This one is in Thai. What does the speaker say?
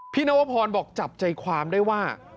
นวพรบอกจับใจความได้ว่า